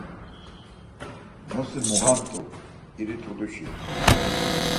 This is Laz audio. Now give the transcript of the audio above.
Nosi muğamt̆u iritulişi.